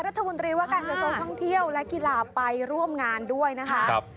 รัฐมนตรีว่าการกระทรวงท่องเที่ยวและกีฬาไปร่วมงานด้วยนะคะ